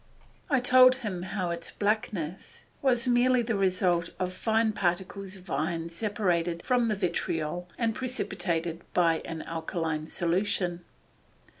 I told him how its blackness was merely the result of fine particles of iron separated from the vitriol and precipitated by an alkaline solution.